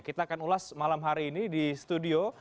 kita akan ulas malam hari ini di studio